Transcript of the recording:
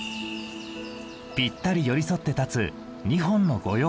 ぴったり寄り添って立つ２本の五葉松。